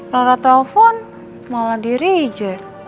rara telepon malah di reject